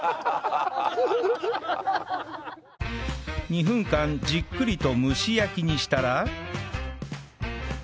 ２分間じっくりと蒸し焼きにしたら